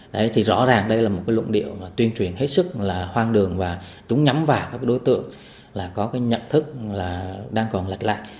đấy thì rõ ràng đây là một cái luận điệu tuyên truyền hết sức là hoang đường và chúng nhắm vào các đối tượng là có cái nhận thức là đang còn lạch lạ